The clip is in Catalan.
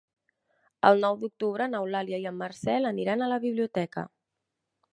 El nou d'octubre n'Eulàlia i en Marcel aniran a la biblioteca.